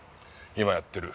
今やってる。